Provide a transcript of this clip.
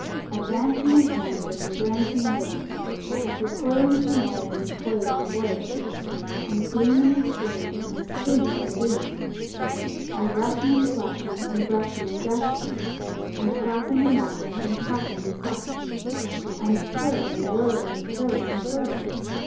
Advancing and prancing and glancing and dancing. Recoiling, turmoiling, and toiling and boiling. And gleaming and streaming and steaming and beaming. And rushing and flushing and brushing and gushing. And flapping and rapping and clapping and slapping. And curling and whirling and purling and twirling.